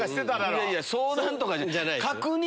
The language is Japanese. いやいや相談とかじゃない。